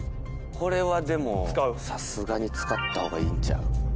これはでもさすがに使った方がいいんちゃう？